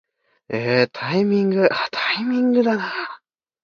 えータイミングー、タイミングだなー